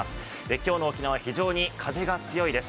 今日の沖縄、非常に風が強いです。